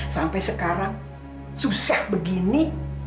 sampai sekarang susah begini